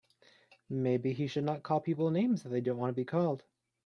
Maybe he should not call people names that they don't want to be called.